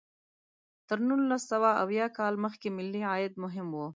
تر نولس سوه اویا کال مخکې ملي عاید مهم و.